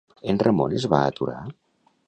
En Ramon es va aturar?